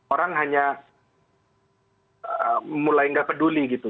orang hanya mulai nggak peduli gitu